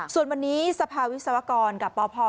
ส่วนวันนี้สภาวิทยาลัยกรณ์กับปพ